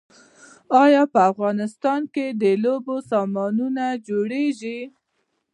آیا په افغانستان کې د لوبو سامان جوړیږي؟